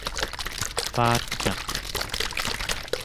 paatnaq